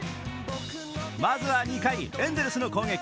まずは２回、エンゼルスの攻撃。